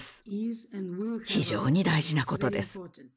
非常に大事なことです。